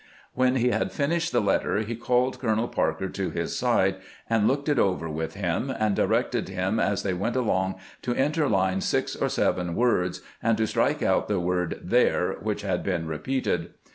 When he had finished the letter he called Colonel Parker to his side, and looked it over with him, and directed him as they went along to interline six or seven words, and to strike out the word " their," which had been repeated.